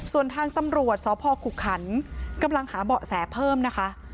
ส่วนทางตำรวจสพขุขันกำลังหาเบาะแสเพิ่มนะคะ